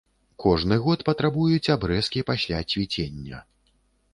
Кожны год патрабуюць абрэзкі пасля цвіцення.